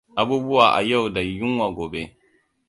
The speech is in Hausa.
Abubuwa a yau da yunwa gobe.